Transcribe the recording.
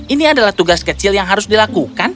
ini adalah tugas kecil yang harus dilakukan